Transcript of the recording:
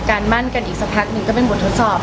มั่นกันอีกสักพักหนึ่งก็เป็นบททดสอบ